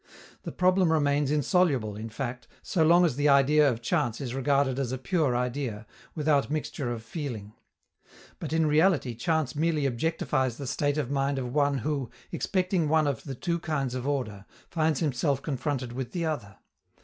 The problem remains insoluble, in fact, so long as the idea of chance is regarded as a pure idea, without mixture of feeling. But, in reality, chance merely objectifies the state of mind of one who, expecting one of the two kinds of order, finds himself confronted with the other.